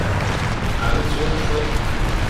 Ɛni ttwaṭṭfen?